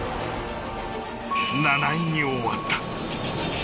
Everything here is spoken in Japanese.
７位に終わった。